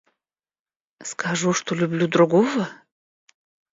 Скажу, что люблю другого?